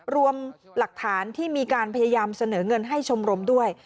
รวมหลักฐานที่มีการพยายามเสนอเงินให้ชมรมด้วย